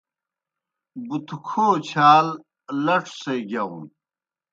بُتھوْکھو چھال لڇو سے گِیاؤن۔